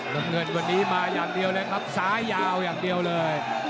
น้ำเงินวันนี้มาอย่างเดียวเลยครับซ้ายยาวอย่างเดียวเลย